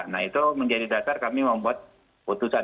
nah itu menjadi dasar kami membuat putusan